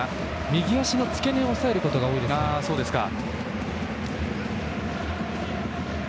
右足の付け根を押さえることが多いですね。